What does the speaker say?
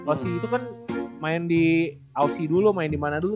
loci itu kan main di aussie dulu main dimana dulu